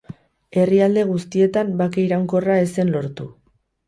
Herrialde guztietan bake iraunkorra ez zen lortu.